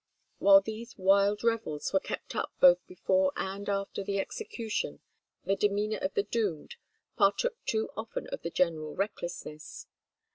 While these wild revels were kept up both before and after the execution the demeanour of the doomed partook too often of the general recklessness.